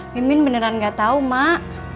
pimpin beneran gak tahu mak